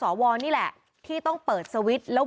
โหวตตามเสียงข้างมาก